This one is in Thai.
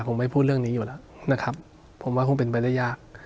ผมไม่พูดเรื่องนี้อยู่แล้วนะครับผมว่าคงเป็นไปได้ยาก